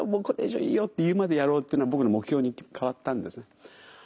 これ以上いいよ」って言うまでやろうっていうのが僕の目標に変わったんですね。